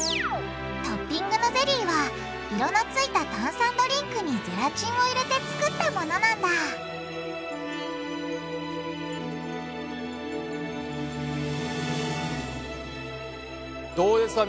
トッピングのゼリーは色のついた炭酸ドリンクにゼラチンを入れて作ったものなんだどうですか？